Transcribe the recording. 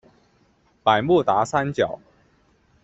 百慕达三角。